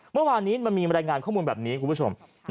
เมื่อวานนี้มันมีรายงานข้อมูลแบบนี้คุณผู้ชม